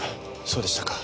そうでしたか。